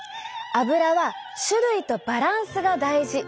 アブラは種類とバランスが大事！